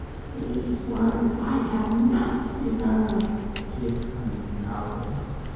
"These words I have not deserved," she exclaimed, proudly.